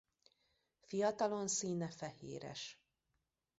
Fiatalon színe fehéres.